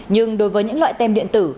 nhưng đối với những loại tem điện tử